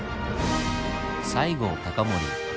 西郷隆盛。